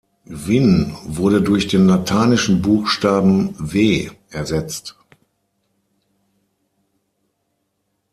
Wynn wurde durch den lateinischen Buchstaben ⟨w⟩ ersetzt.